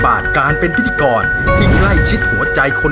สามคนพี่น้องขอขอบคุณนุงเอเชยานะคะ